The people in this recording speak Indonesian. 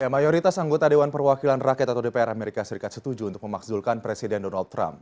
mayoritas anggota dewan perwakilan rakyat atau dpr amerika serikat setuju untuk memakzulkan presiden donald trump